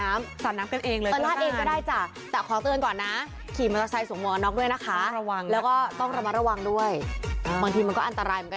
เม็ดมิสังเกตฉัวแม่วิ่งปลาดน้ำ